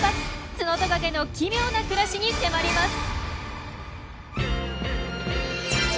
ツノトカゲの奇妙な暮らしに迫ります。